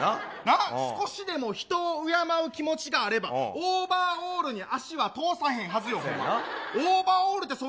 少しでも人を敬う気持ちがあれば、オーバーオールに足は通さへんはずよ。